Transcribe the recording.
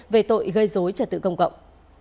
về tội gây dối trả tự công cộng